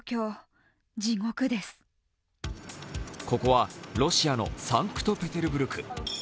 ここはロシアのサンクトペテルブルク。